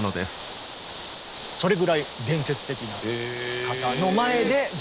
それぐらい伝説的な方の前でえぇ。